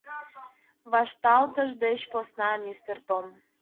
— Вашталтыш деч посна, мистер Том.